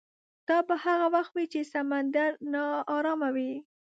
دا به هغه وخت وي چې سمندر ناارامه وي.